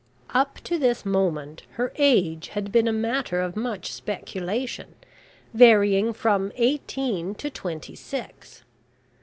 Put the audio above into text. Up to this moment her age had been a matter of much speculation, varying from eighteen to twenty six.